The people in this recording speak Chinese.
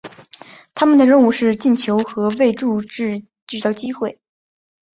他们的任务是进球和为柱趸制造机会。